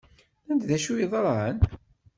Nnan-d acu yeḍran?